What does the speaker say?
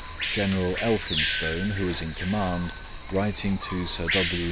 General Elphinstone, who was in command, writing to Sir W.